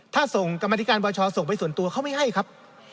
ถ้าส่งกรรมธิการประชาส่งไปส่วนตัวเขาไม่ให้ครับ